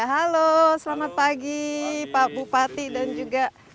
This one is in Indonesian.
halo selamat pagi pak bupati dan juga